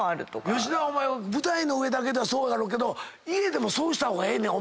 吉田お前舞台の上だけではそうやろうけど家でもそうした方がええねん。